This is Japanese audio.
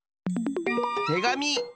てがみ！